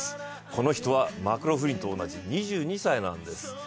この人はマクローフリンと同じ２２歳なんです。